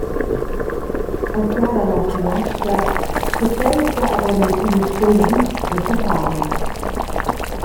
El siara la finiastra, setschenta avon il finistrel vit da Safari.